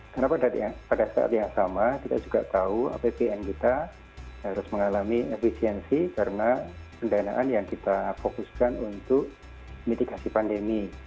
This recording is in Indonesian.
karena pada saat yang sama kita juga tahu apbn kita harus mengalami efisiensi karena pendanaan yang kita fokuskan untuk mitigasi pandemi